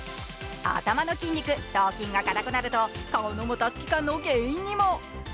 頭の筋肉、頭筋が硬くなると顔のもたつき感の原因にも。